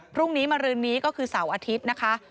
พรุ่งนี้มรึงนี้ก็คือเสาร์อาทิตย์